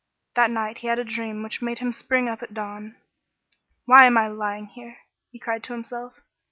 1 That night he had a dream which made him spring up at dawn. "Why am I lying here?" he cried to himself.